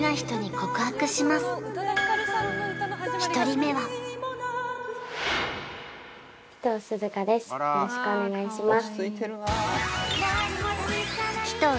１人目はよろしくお願いします